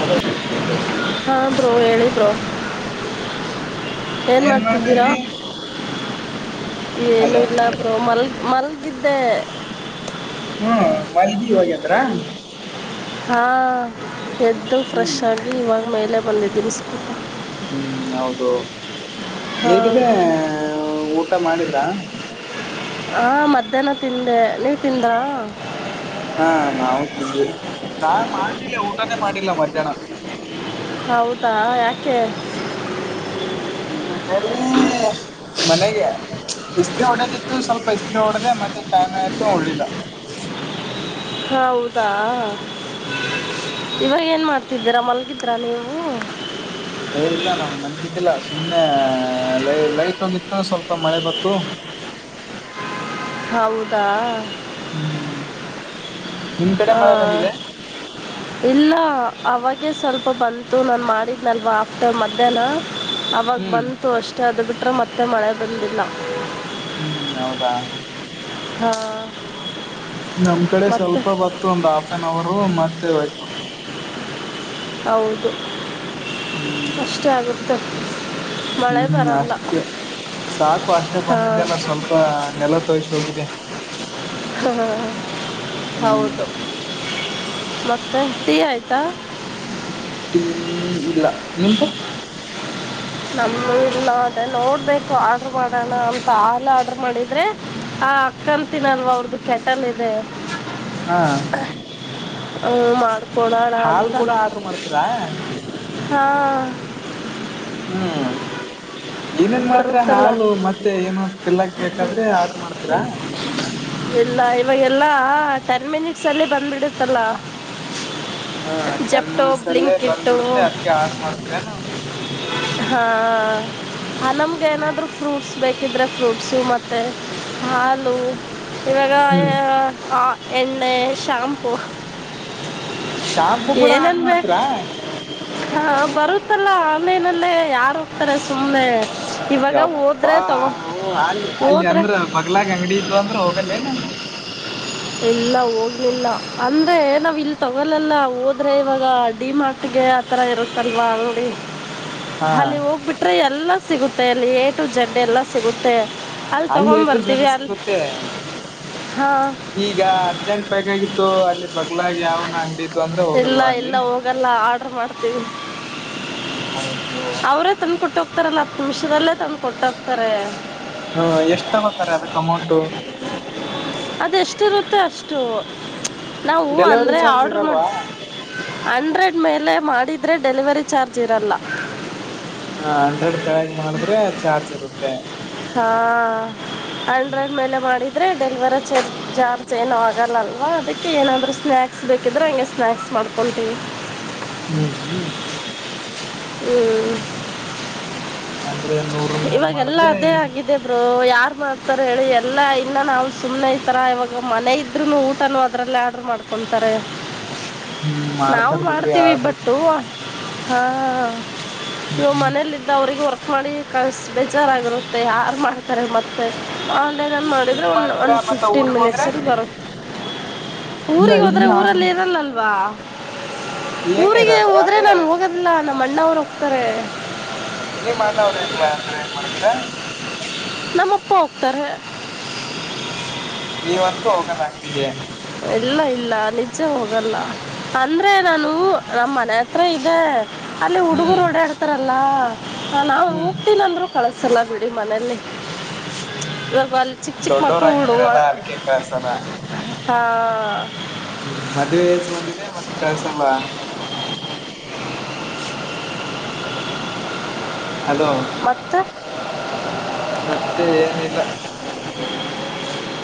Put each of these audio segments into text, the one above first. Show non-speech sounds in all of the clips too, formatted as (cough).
Hello ಹಾ bro ಹೇಳಿ bro ಏನ್ ಮಾಡ್ತಿದ್ದೀರ ಹಲೋ ಏನಿಲ್ಲ ಬ್ರೋ ಮಲಗಿದ್ದೆ ಹ್ಮ ಮಲ್ಗಿ ಈವಾಗ ಎದ್ರಾ ಹಾ ಎದ್ದು ಫ್ರೆಶ್ ಹ್ಮ್ ಆಗಾಗಿ ಇವಾಗ ಮೇಲೆೇ ಬಂದಿದ್ದೀನಿ ಸ್ಕೂಟ ಹ್ಮ್ ಹೌದು ಹಾಂ ಹೇಗಿದೆ ಊಟ ಮಾಡಿದ್ರಾ ಹಾ ಮಧ್ಯಾಹ್ನ ತಿಂದೆ ನೀವ್ ತಿಂದ್ರಾ ಹಾ ನಾ ತಿಂದ ನಾನ್ ಮಾಡುದಿಲ್ಲ ಊಟಾನೇ ಮಾಡಿಲ್ಲ ಮಧ್ಯಾಹ್ನ ಹೌದಾ ಯಾಕೆ ಮನೇಲಿ ಮನೆಗೆ ಇಸ್ತ್ ಹೊಡೋದಿತ್ತು ಸ್ವಲ್ಪ ಇಸ್ತ್ರಿ ಹೊಡದೆ ಮತ್ತೆ ಟೈಮ್ ಆಯ್ತು ಉಡ್ಲಿಲ್ಲ (inaudible) ಹೌದಾ ಹ್ಮ್ ಇವಾಗ ಏನ್ ಮಾಡ್ತಿದ್ದೀರಾ ಮಲ್ಗಿದ್ರಾ ನೀವು ಏ ಇಲ್ಲ ನಾ ಮಲಗಿದ್ದಿಲ್ಲ ಸುಮ್ನೆ ಲೈ ಲೈಟ್ ಹೋಗಿತ್ತು ಸ್ವಲ್ಪ ಮಳೆ ಬಂತು (unintelligible) ಹೌದಾ ಹ್ಮ್ ನಿಮ್ ಕಡೆ ಹ ಮಳೆ ಬಂದಿದೆ ಇಲ್ಲ ಅವಾಗೆ ಸ್ವಲ್ಪ ಬಂತು ನಾನು ಮಾಡಿದ್ನಲ್ವ ಆಫ್ಟರ್ ಮಧ್ಯಾಹ್ನ ಅವಾಗ ಹ್ಮ್ ಬಂತು ಅಷ್ಟೇ ಅದು ಬಿಟ್ರೆ ಮತ್ತೆ ಮಳೆ ಬಂದಿಲ್ಲ ಹ್ಮ್ ಹೌದಾ ಹಾ ನಮ್ ಕಡೆ ಸ್ವಲ್ಪ ಬತ್ತು ಒಂದ್ ಆಫ್ ಆನ್ ಅವರು ಮತ್ತೇ ಹೊಯ್ತು ಹೌದು ಹ್ಮ್ ಅಷ್ಟೇ ಆಗುತ್ತೆ ಮಳೆ ಹ್ಮ್ ಬರಲ್ಲ ಅಷ್ಟೇ ಸಾಕು ಅಷ್ಟೇ ಬಂದಿದೆ ಅಲ್ಲ ಸ್ವಲ್ಪ ನೆಲ ತೋಸಿ ಹೋಗಿದೆ ಹ ಹ್ಮ್ ಹೌದು ಮತ್ತೆ ಟಿ ಆಯ್ತಾ ಟೀ ಇಲ್ಲ ನಿಂದು ನಮ್ದು ಇಲ್ಲ ಅದೇನೇ ನೋಡ್ಬೇಕು ಆರ್ಡ್ರ ಮಾಡೋಣ ಅಂತ ಆಗ್ಲೇ ಆರ್ಡ್ರ ಮಾಡಿದ್ರೆ ಹ ಅಕ್ಕ ಅಂತಿನಲ್ಲ ಅವ್ರ್ದು ಕೆಟಲ್ ಇದೆ ಹಾ ಹ ಮಾಡ್ಕೊಳೋಣ ಹಾಲ್ ಅಂತ ಕೂಡ ಆರ್ಡರ್ ಮಾಡ್ತೀರಾ ಹಾ ಹ್ಮ್ ಏನೇನ್ ಮಾಡ್ತೀರಾ ಬರುತ್ತಲ್ಲ ಹಾಲು ಮತ್ತೆ ಏನ ತಿಲ್ಲಕ್ ಬೇಕಾದ್ರೆ ಆರ್ಡ್ರ ಮಾಡ್ತೀರಾ ಲ್ಲ ಇವಾಗೆಲ್ಲಾ ಟೆನ್ ಮಿನಿಟ್ಸ್ ಅಲ್ಲಿ ಬಂದ್ಬಿಡುತ್ತಲ್ಲ ಹಾ ಟೆನ್ ಮಿನಿಟ್ಸ್ ಅಲ್ಲೇ ಬಂದ್ಬಿಡುತ್ತೆ ಅದಕ ಆಡ್್ರ ಮಾಡ್ತರೇನ ಹಾ ಹ್ಮ್ ನಮ್ಗೆೇಏನಾದರೂ ಫ್ರೂಟ್ಸ್ ಬೇಕಿದ್ರರೆ ಫ್ರೂಟ್ಸು ಮತ್ತು ಹಾಲು ಇವಾಗ ಹ್ಮ್ ಆ ಎ್ಣ ಾಂಪೂ ಶಾಂಪೂ ಕೂಡ ಆರ್ಡ್ರ ಮಾಡತ್ರರಾ ಹ ಬರುತ್ತಲ್ಲ ಆನ್ಲೈನಲ್ಲೇ ಯಾರ್ು ಹೋಗ್ತಾರೆ ಸುಮ್ನೆ ಯಪ್ಪಾ ಹ ಅಲ್ಲಿ ಅಲ್ಲಿ ಹೋದ್ರೆ ಅಂದ್ರ ಬಗ್ಲಾಗ ಅಂಗಡಿ ಇದ್ದು ಅಂದ್ರ ಹೋಗಲ್ಲೇನು ಇಲ್ಲ ಹೋಗ್ಲಿಲ್ಲ ಅಂದ್ರೆ ನಾವ್ ಇಲ್ ತಗೊಲ್ಲಲ್ಲ ಹೋದ್ರೆ ಇವಾಗ ಡಿ ಮಾರ್ಟಿ ಗೆ ಆಥರ ಇರುತ್ತಲ್ವಾ ನೋಡಿ ಹಾ ಅಲ್ಲಿ ಹೋಗ್ಬಿಟ್ರೆ ಎಲ್ಲ ಸಿಗುತ್ತೆ ಅಲ್ಲಿ ಎ ಟು ಜಂಡ ಎಲ್ಲಾ ಸಿಗುತ್ತೆ ಅಲ್ಲಿ ತಗೊಂಡ್ ಎಟು ಜಡ್ ಬರ್ತೀವಿ ಅಲ್ಲಿ ಸಿಗುತ್ತೆ ಹಾ ಈಗ ಅರ್ಜೆಂಟ್ ಬೈಕ್ ಆಗಿತ್ತು ಅಲ್ಲಿ ಬಗ್ಲಾಗಿ ಯಾವನ ಅಂಗಡಿು ಅಂದ್ರೆ ಹೋಗಲ್ವಾ ಅಲ್ಲಿ ಆರ್ಡ್ರ ಮಾಡ್ತೀವಿ ಹೌದು ಹತ್ತರಲ್ಲ ಹತ್ತು ನಿಮಿಷದಲ್ಲೇ ತಂದು ಕೊಟ್ಟ ಹ್ತಾರೆ ಹ್ಮ ಎಷ್ಟ ತ ಬತಾರೆ ಅದ ಟೊಮೊಟೊ ೊ ಅಷ್ಟು ನಾವು ಡೆಲಿವರಿ ಅಂದ್ರೆ ಚಾರ್ಜ್ ಆರ್ಡ್ರ ಮಾಡ ಇರಲ್ವಾ ಅಂಡ್ರೆಡ್ ಮೇಲೆ ಮಾಡಿದ ಆದರೆ ಡೆಲಿವರಿ ಚಾರ್ಜ್ ಇರಲ್ಲ ಹಾ ಹಂಡ್ರೆಡ್ ತಗ ಮಾಡಿದ್ರೆ ಚಾರ್ಜ್ ಇರುತ್ತೆ ಹಾ ಆಂಡ್ರಾಯ್ಡ್ ಮೇಲೆ ಮಾಡಿದ್ರೆ ಡೆಲ್ವರ್ ಚರ್ಜ ಜಾರ್ಜ ಏನೂ ಆಗೋಲ್ಲಲ್ವಾ ಅದಕ್ಕೆ ಏನಾದರೂ ಸ್ನ್ಯಾಕ್ಸ್ ಬೇಕಿದ್ದ್ರೆ ಹಗೆ ಸ್ನ್ಯಾಕ್ಸ್ ಮಾಡ್ಕೊಳ್ೀವಿ ಹ್ಮ್ ಹ್ಮ್ ಹ್ಮ್ ಅಂದ್ರೆ ನೂರ ಮೇಲ್ ಇವಾಗೆಲ್ಲಾ ಮಾಡಿದ್ರೆ ಅದೇ ಆಗಿದೆ ಬ್ರರು ಯಾ ಆಡ ಮಾಡ್ತಾರೆ ಹೇಳಿ ಎಲ್ಲಾ ಇನ್ನ ನಾವು ಸುಮ್ಮನೆ ಇತರ ಇವಾಗ ಮನೆ ಇದ್ರುನು ಊಟ ಅದ್ರಲ್ಲಲ್ಲಿ ಆರ್ಡರ್ ಮಾಡ್ತಾರೆ ಕೊತಾರೆ ಹ್ಮ್ ನಾವು ಮಾಡ್ತಾರ್ ಬಿಡ್ರಿ ಮಾಡ್ತೀವಿ ಆಡ್ರು ಬಟ್ಟು ಹಾ ಇವ ಹ್ಮ್ ಮನೇಲ್ಲಿದ್ದ ಅವ್ರಿಗೆ ವರ್ಕ್ ಮಾಡಿ ಕಳ್ಸ ಬೇಜಾರಾಗಿರುತ್ತೆ ಯಾರು ಮಾಡ್ತಾರೆ ಮತ್ತೆ ಆನ್ಲೈನನ್ ಮಾಡಿದರೆ ಇಲ್ಲಿಗ್ ಒನ್ ಒನ್ ಮಾಡ್ತೀರಾ ಮತ್ತ ಫಿಫ್ಟೀನ್ ಊರ್ಗ್ ಹೋದ್ರೆ ಮಿನಿಟ್ಸಲ್ಲಿ ಬರುತ್ತೆ ಇಲ್ಲ ಊರಿಗೆ ಹೋದ್ರೆ ಇಲ್ಲಿ ಆರ್ಡ್ರ ಊರಲ್ಲಿ ಇರಲ್ಲಲ್ವಾ ಏನ ಊರಿಗೆ ಇರಲ್ಲ ಹೋದ್ರೆ ಅದೇ ನಾ ಹೋಗದಿಲ್ಲಾ ನಮ್ಮ ಅಣ್ಣ ಅವ್ರು ಹೋಗ್ತಾರೆ ನೀಮ್ಮ ಅಣ್ಣವ್ರ ಇರ್ಲಾ ಅಂದ್ರೆ ಏನ್ ಮಾಡ್ತರ ನಮ್ಮಪ್ಪ ಹೋಗ್ತಾರೆ ಹೋಗ ಬಂಗಟಿಗೆ ಇಲ್ಲ ಇಲ್ಲ ನಿಜೆ ಹೋಗಲ್ಲ ಅಂದ್ರೆ ನಾನು ನಮ್ಮ ಮನೆ ಹತ್ರ ಇದೆ ಅಲ್ಲಿ ಹುಡುಗರು ಹ್ಮ್ ಓಡಾಡ್ತಾರಲ್ಲ ನಾ್ ಹ್ಮ್ ಹೋಗತೀನ ಅಂದ್ರು ಕಳ್ಸ ಸಲ ಬಿಡಿ ಮನೇಲಿ ಹ್ಮ್ ಇದವರಬ ಚಿಕ್ ಚಿಕ್ ಮಕ್ಕಳು ಉಡುುವ ದೊಡ್ಡವರಾಗಿದ್ರಲ್ಲ ಅದಕ್ಕೆ ಕಳ್ಸಲ್ಲ ಹಾ ಹ್ಮ್ ಮದ್ವೆೆಸ್ ಬಂದಿದೆ ಮತ್ತೆ ಕೆಳ್ಸಲ್ಲ ಹಲೋ ಮತ್ತ ಮತ್ತೆ ಏನಿಲ್ಲ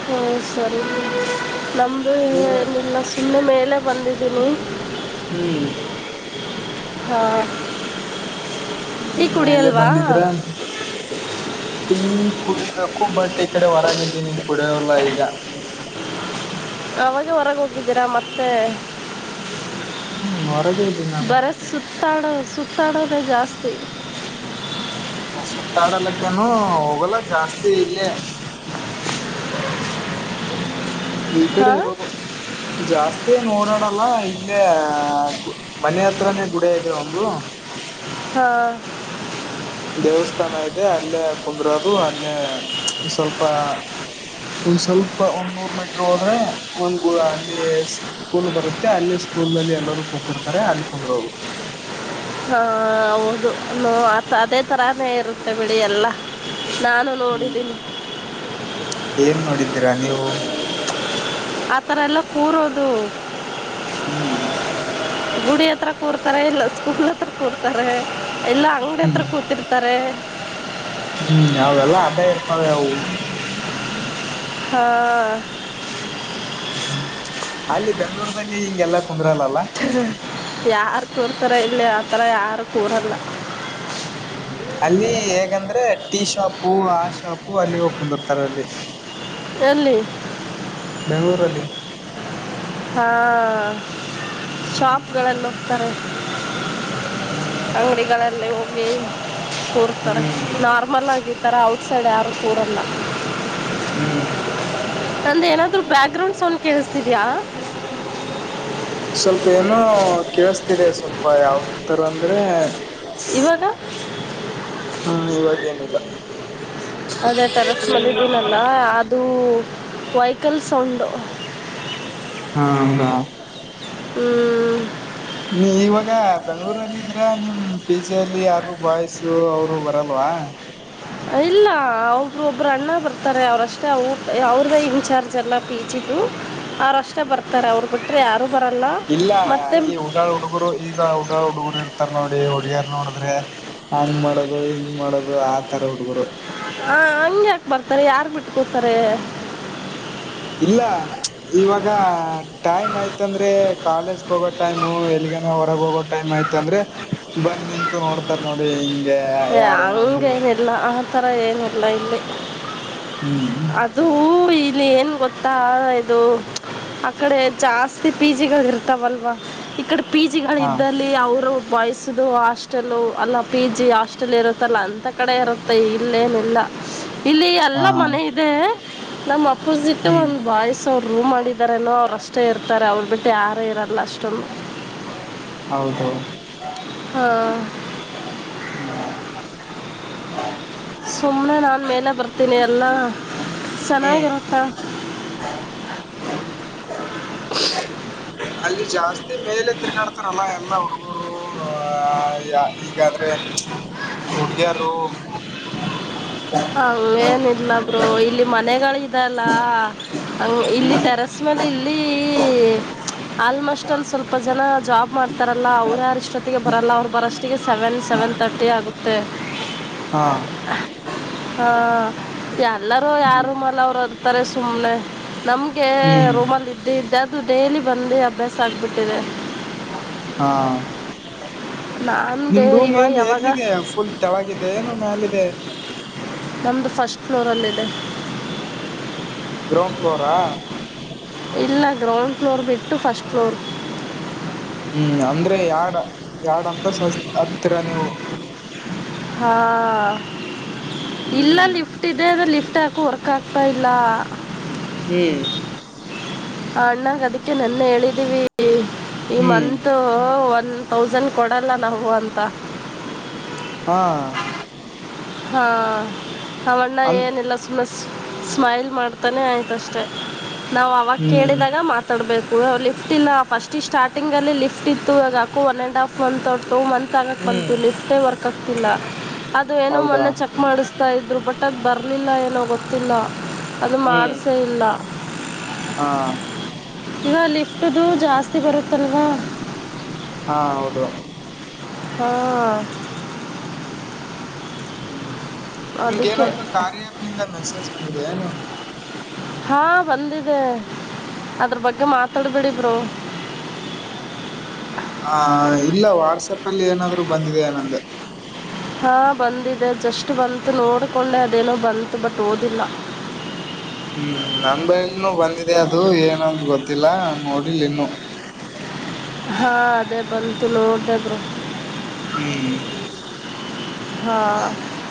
ಹ್ಮ ಸರಿ ನಮ್ದು ನೀ ಇಲ್ಲ ಸನ್ನ ಮೇಲೆ ಎಲ್ಲ ಬಂದಿದ್ದೀನಿ ಹ್ಮ್. ಹಾ. ಮೇಲೆ ಬಂದಿದ್ರ ಟೀ ಕುಡಿ ಅಕ್ಕೂ ಬಟ್ ಈ ಕಡೆ ಹೊರಗಿದ್ದೀನಿ ಕುಡಿಯೋಲ್ಲ ಈಗ. ಅವಾಗೇ ಹೊರಗ್ ಹೋಗಿದ್ದೀರಾ ಮತ್ತೆ. ಹ್ಮ್ ಹೊರಗೆ ಇದ್ದೀನಿ ನಾನು ಬರೆ ಸುತ್ತಾಡೋ ಸುತ್ ತಾಡೋದೆ ಜಾಸ್ತಿ. ಸುತ್ತಾಡಲಕ್ಕೇನು ಹೋಗಲ್ಲ ಜಾಸ್ತಿ ಇಲ್ಲೇ. ಈ ಕಡೆ ಹಾಂ ಇರೋದು. ಜಾಸ್ತಿಯೇನ್ ಓಡಾಡಲ್ಲ ಇಲ್ಲೇ ಮನೆ ಹತ್ರನೇ ಗುಡಿ ಇದೆ ಒಂದು. ಹಾ. ದೇವಸ್ಥಾನ ಇದೆ ಅಲ್ಲೇ ಕುಂದ್ರೋದು ಅಲ್ಲೇ ಸ್ವಲ್ಪ. ಒಂದ್ ಸ್ವಲ್ಪ ಒಂದ್ ನೂರ್ ಮೀಟರ್ ಹೋದ್ರೆ ಒಂದ್ ಅಲ್ಲಿ ಸ್ಕೂಲ್ ಬರುತ್ತೆ ಅಲ್ಲಿ ಸ್ಕೂಲ್ನಲ್ಲಿ ಎಲ್ಲರೂ ಕೂತಿರ್ತಾರೆ ಅಲ್ಲಿ ಕುಂದ್ರೋದು. ಹಾ ಹೌದು ಹೂಂ ಅದೇ ತರಾನೇ ಇರುತ್ತೆ ಬಿಡಿ ಎಲ್ಲ. ನಾನು ಹ್ಮ್ ನೋಡಿದ್ದೀನಿ ಏನ್ ನೋಡಿದ್ದೀರಾ ನೀವು. (inaudible) ಆ ಥರ ಎಲ್ಲ ಕೂರೋದು ಹ್ಮ್. ಗುಡಿ ಹತ್ರ ಕೂರ್ತಾರೆ ಇಲ್ಲ ಸ್ಕೂಲ್ ಹತ್ರ ಕೂರ್ತಾರೆ ಇಲ್ಲ ಅಂಗಡಿ ಹ್ಮ್ ಹತ್ರ ಕೂತಿರ್ತಾರೆ. ಹ್ಮ್ ಅವೆಲ್ಲಾ ಅಟೇ ಇರ್ತಾವೆ ಅವು. ಹಾ. ಹ್ಮ್ ಅಲ್ಲಿ ಬೆಂಗ್ಳೂರ್ದಲ್ಲಿ ಹಿಂಗೆಲ್ಲ ಹ್ಮ್ ಯಾರ್ ಕೂರ್ತಾರೆ ಇಲ್ಲಿ ಆ ಥರ ಯಾರು ಕೂರಲ್ಲ. ಹ್ಮ್. ಹ್ಮ್ ಅಲ್ಲಿ ಹೇಗಂದ್ರೆ ಟೀ ಶಾಪು ಆ ಶಾಪು ಅಲ್ಲಿ ಹೋಗ್ ಕುಂದ್ರ್ತಾರ್ ಅಲ್ಲಿ. ಎಲ್ಲಿ. ಬೆಂಗ್ಳೂರಲ್ಲಿ. ಹಾ ಹ್ಮ್ ಶಾಪ್ಗಳಲ್ ಹೋಗ್ತಾರೆ. ಹ್ಮ್ ಅಂಗಡಿಗಳಲ್ಲಿ ಹೋಗಿ ಕೂಡ್ತಾರೆ ಹ್ಮ್ ನಾರ್ಮಲ್ ಆಗಿ. ಈ ಥರ ಔಟ್ಸೈಡ್ ಯಾರು ಕೂರಲ್ಲ. ಹ್ಮ್. ನಂದೇನಾದ್ರು ಬ್ಯಾಕ್ ಗ್ರೌಂಡ್ ಸೌಂಡ್ ಕೇಳಿಸ್ತಿದ್ಯಾ. ಸ್ವಲ್ಪ ಏನೋ ಕೇಳ್ಸ್ತಿದೆ ಸ್ವಲ್ಪ ಯಾವ್ ತರ ಅಂದ್ರೆ. ಇವಾಗ. ಹಾ ಇವಾಗೇನಿಲ್ಲ. ಅದೇ ಟೇರೆಸ್ ಮೇಲಿದ್ದಿನಲ್ಲ ಅದು ವೈಕಲ್ ಸೌಂಡು. ಹಾ ಹೌದಾ. ಹ್ಮ್. ನೀವ್ ಇವಾಗ ಬೆಂಗ್ಳೂರಲ್ಲಿದ್ದೀರಾ ನಿಮ್ ಪಿ ಜಿ ಅಲ್ಲಿ ಯಾರು ಬಾಯ್ಸು ಅವರು ಬರಲ್ವ. ಹಾ. ಇಲ್ಲ ಹೌದು ಒಬ್ರ್ ಅಣ್ಣ ಬರ್ತಾರೆ ಅವ್ರಷ್ಟೇ ಅವ್ರ್ದೇ ಇನ್ಚಾರ್ಜ್ ಎಲ್ಲ ಪಿ ಜಿ. ಹ್ಮ್ ಅವ್ರಷ್ಟೆ ಬರ್ತಾರೆ ಅವ್ರು ಬಿಟ್ರೆ ಯಾರ್ ಇಲ್ಲ ಈ ಉಡಾಳ ಹುಡುಗರು ಈಗ ಊಡಾಳ ಹುಡುಗರು ಇರ್ತಾರ್ ನೋಡಿ ಹುಡ್ಗಿಯರ್ ನೋಡುದ್ರೆ ಹಂಗ್ ಮಾಡೋದು ಹಿಂಗ್ ಮಾಡೋದು ಆತರ ಹುಡ್ಗುರು. ಹಾ ಹಂಗ್ ಯಾಕ್ ಬರ್ತಾರೆ ಯಾರ್ ಬಿಟ್ಕೋತಾರೆ. ಇಲ್ಲ ಇವಾಗ ಟೈಮ್ ಆಯ್ತಂದ್ರೆ ಕಾಲೇಜ್ಗ್ ಹೋಗೋ ಟೈಮು ಎಲ್ಲಿ ಗನ ಹೊರಗ್ ಹೋಗೋ ಟೈಮ್ ಆಯ್ತಂದ್ರೆ ಬಂದ್ ನಿಂತು ನೋಡ್ತಾರ್ ನೋಡಿ ಹಿಂಗ್ ಏ ಹಂಗೇನಿಲ್ಲ ಅ ತರಾ ಏನಿಲ್ಲಾ ಇಲ್ಲಿ ಹ್ಮ್ ಅದು ಈ. ಇ ಏನು ಗೊತ್ತಾ ಇದು. ಅಕಡೆ ಜಾಸ್ತಿ ಪಿಜಿಗಳು ಇರ್ತಾವಲ್ವಾ ಇಕಡೆ. ಪಿ ಹಾ ಜಿಗಳಿದ್ದಲ್ಲಿ ಅವರು ಬಾಯ್ಸದು ಹಾಸ್ಟೆಲ್ಲ ಅಲ್ಲ ಪಿ ಜಿ ಹಾಸ್ಟೆಲ್ ಇರುತ್ತಲ್ಲ ಅಂತ ಕಡೆ ಇರುತ್ತೆ ಇಲ್ಲೇನೆಲ್ಲ ಇಲ್ಲಿ ಎಲ್ಲ ಹಾ ಮನೆ ಇದೆ. ನಮ್ ಅಪೋಸಿಟ್ ಹ್ಮ್ ಒಂದ್ ಬಾಯ್ಸ್ ಅವರು ರೂಮ್ ಮಾಡಿದಾರನೋ ಅವರು ಅಷ್ಟೇ ಇರ್ತಾರೆ ಅವರು. ಮತೇ ಯಾರು ಇರಲ್ಲ ಅಷ್ಟೋಂದು ಹೌದು. ಹಾ. (unintelligible) ಸುಮ್ನೆ ನಾನ್ ಮೇಲೆ ಬರ್ತೀನಿ ಎಲ್ಲಾ ಹ್ಮ್ ಚೆನ್ನಾಗಿರತ್ತಾ (inaudible) ಅಲ್ಲಿ ಜಾಸ್ತಿ ಮೇಲೆ ತಿರುಗಾಡ್ತಾರಲ್ಲ ಎಲ್ಲಾ ಹುಡುಗರು ಹೀಗಾದ್ರೆ ಹುಡುಗಿಯರು ಅಲ್ಲೇನಿಲ್ಲ ಬ್ರೋ ಇಲ್ಲಿ ಮನೆಗಳು ಇದೆಲ್ಲಾ ಇಲ್ಲಿ ಹ್ಮ್ ಟೆರಸ್ ಮೆ ಇಲ್ಲಿ. (inaudible) ಆಲ್ಮೋಸ್ಟ್ ಒಂದು ಸ್ವಲ್ಪ ಜನ ಜಾಬ್ ಮಾಡ್ತಾರಲ್ಲ ಅವ್ರು ಯಾರಷ್ಟೊತ್ತಿಗೆ ಬರಲ್ಲ ಅವ್ರು ಬರೋಷ್ಟಿಗೆ ಸೆವೆನ್ ಸೆವೆತ್ ತಟ್ಟಿ ಆಗುತ್ತೆ. ಹಾ. ಹಾ ಎಲ್ಲರೂ ಯಾರ ಮಲ ಅವ್ರು ಅರ್ತಾರೆ ಸುಮ್ನೆ ನಮ ಹ್ಮ್ ರೂಮಲ್ಲಿ ಇದ್ದ ಇದ್ದೆ ಅದು ಡೈಲಿ ಬಂದು ಅಭ್ಯಾಸ ಆಗ್ಬಿಟ್ಟಿದೆ. ಹಾ. ನಾನು ನಿಮ್ ಡೇ ರೂಮ್ ಇವಾಗ ಏನ್ ಯಾವಾಗ ಎಲ್ಲಿದೆ ಫುಲ್ ತೆಳಗಿದೆ ಏನು ಮ್ಯಾಲ ಲಿದೆ. ನಂದು ಫಸ್ಟ್ ಫ್ಲೋರ್ಲ್ಲ ಇದೆ. ಗ್ರೌಂಡ್ ಫ್ಲೋರಾ. ಇಲ್ಲ ಗ್ರೌಂಡ್ ಫ್ಲೋರ್ ಬಿಟ್ಟು ಫಸ್ಟ್ ಫ್ಲೋರ್. ಹ್ಮ್ ಅಂದ್ರೆ ಎಡ್ ಎರಡ ಅಂತಸ್ತ ಹತ್ತೀರಾ ನೀವು. ಹಾ ಇಲ್ಲಾ ಹ್ಮ್ ಲಿಫ್ಟ್ ಇದೆ ಅ ಲಿಫ್ಟ್. ಲಿಫ್ಟ್ ಯಾಕೋ ವರ್ಕ್ ಆಗ್ತಾ ಇಲ್ಲಾ ಹ್ಮ್. ಅಣ್ಣಾಗ ಅದಕ್ಕೆ ನಿನ್ನೆ ಹೇಳಿದೀವಿ ಈ ಹ್ಮ್ ಮತ್. ಒನ್ ತೌಸಂಡ್ ಕೊಡಲ್ಲ ನಾವು ಅಂತಾ ಹಾ. ಹಾ ಅವನ್ನ ಅಂದ ಏನಲ್ಲ ಸು ಸ್ಮೈಲ್ ಮಾಡ್ ತಾನೇ ಆಯ್ತಷ್ಟೇ ನಾವ್ ಅವಾಗ ಹ್ಮ್ ಕೇಳಿದಾಗ ಮಾತಾಡ್ಬೇಕು ಲಿಫ್ಟ್ ಇಲ್ಲ ಫಸ್ಟಿ ಸ್ಟಾರ್ಟಿಂಗಲ್ಲಿ ಲಿಫ್ಟ ಇತ್ತು ಈಗ ಅಕೋ ಒನ್ ಅ್ಯಂಡ್ ಹಾಫ್ ಒನ್ ತ ಟೂ ಮಂತ್ ಆಗಕ್ ಹ್ಮ್ ಬಂತಲ್ಲಿ ಲಿಪ್ಟೆ ವರ್ಕ್ ಆಗ್ತಿಲ್ಲಾ ಅದು ಏನೋ ಹೌದಾ ಮೊನ್ನೆ ಚೆಕ್ ಮಾಡಿಸ್ತಾ ಇದ್ರು ಬಟ್ ಒಟ್ಟದ ಬರಲಿಲ್ಲ ಏನೋ ಗೊತ್ತಿಲ್ಲಾ ಅದು ಹ್ಮ್ ಮಾಡಸೆ ಇಲ್ಲಾ ಹಾ ಇದಲ್ಲಿ ಅಷ್ಟದು ಜಾಸ್ತಿ ಬರುತ್ತಲ್ವಾ. ಹಾ ಹೌದು. ಹ್ಮ. ಹ್ಮ್ ನಿಮ್ ಏನಾದರು (unintelligible) ನಿಂದ ಮೆಸೇಜ್ ಬಂದಿದೆ ಏನು ಹಾ ಬಂದಿದೆ ಅದ್ರ ಬಗ್ಗೆ ಮಾತಾಡ್ಬೇಡಿ ಬ್ರೋ ಆ ಇಲ್ಲ ವಾಟ್ಸಪ್ ಅಲ್ಲಿ ಏನಾದ್ರರು ಬಂದಿದೆ ಆ ನಂದೆ ಹಾ ಬಂದಿದೆ ಜಸ್ಟ್ ಬಂತು ನೋಡ್ಕೊಂಡೆ ಅದೇನೋ ಬಂತು ಬಟ್ ಓದಿಲ್ಲಾ ಹ ಹ್ಮ್ ನನ್ ಬನು ಬಂದಿದೆ ಅದು ಏನಂತ ಗೊತ್ತಿಲ್ಲ ನೋಡಿಲ್ಲಿನ್ನು ಹ ಹಾ ಅದೇ ಬಂತು ನೋಡ್ತದು ಹ್ಮ್ ಹಾ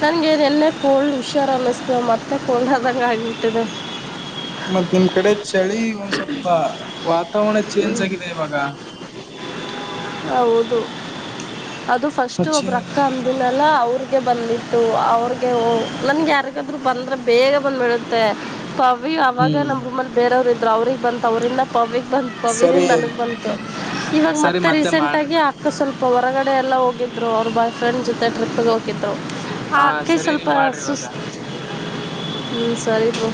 ನನಗೆ ನ ಎಲ್ಲೇ ಕೋಲ್ಡ್ ಹುಷಾರ ಅನ್ನಿಸ್ತೇವೆ ಮತ್ತೆ ಕೋಲ್ಡ್ ಆದಂಗೆ ಆಗಿಬಿಟ್ಟಿದೆ ಮತ್ತತ್ ನಿಮ್ ಕಡೆ ಚಳಿ ಒಂದ್ ಸ್ವಲ್ಪ ವಾತಾವರಣ ಚೇಂಜ್ ಆಗಿದೆ ಇವಾಗ ಹೌದು ಅದು ಫಸ್ಟ್ ಮಚ್ಚೆ ಒಬ್ರುಕ್ಕ ಅಂದಿಲ್ಲಲ್ಲ ಅವ್ರ ಬಂದ್ಬಿಟ್ಟು ಅವ್ರಗೆ ನನ್ಗೆ ಯಾರಗಾದ್ರು ಬಂದ್ರ ಬೇಗ ಬಂದ್ಬಿಡುತ್ತೆ ಅವ ಅವವಾಗ ಹ್ಮ್ ನಮ್ಮ್ ರಮ್ಮಲಿ ಬೇರವ್ರು ಇದ್ರು ಅವ್ರಗ್ ಬಂತ ಅವ್ರಂದ ಪವಿ ಬಂತು ಅವರಿನ್ ಸರಿ ನನಗ್ ಬಂತು ಇವಾಗ ಸರಿ ಮತ್ತೆ ರೀಸೆಂಟ್ ಮಾಡ್ರಿ ಆಗಿ ಆಕ್ಕ ಸ್ವಲ್ಪ ಇ ಹೊರಗಡೆ ಎಲ್ಲ ಹೋಗಿದ್ದರು ಅವ್ರು ಬ ಫ್ರೆಂಡ್ ಜೊತೆ ಟ್ರಿಪ್ಪಿಗೆ ಹೋಗಿದ್ದ್ರು ಹಾ ಆಕೆ ಸರಿ ಸ್ವಲ್ಪ ನೀವ್ ಮಾಡ್ರಿ ಸುಸ್ ಇವಾಗ. ಹ್ಮ್ ಸರಿಪ್ಪ